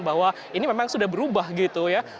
bahwa ini memang sudah berubah gitu ya